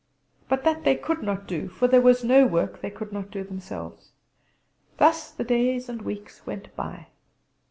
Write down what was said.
But that they could not do, for there was no work they could not do themselves. Thus the days and weeks went by.